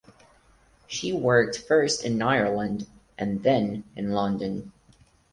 She worked first in Ireland and then in London.